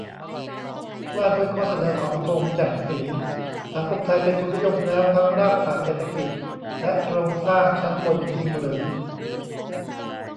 ว่าด้วยข้อเสนอของธง แจ่มศรี : สังคมไทยเป็นทุนนิยมแล้วทั้งรากฐานเศรษฐกิจและโครงสร้างชั้นบนจริงหรือ ?